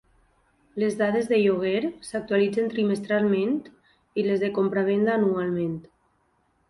Les dades de lloguer s'actualitzen trimestralment i les de compravenda, anualment.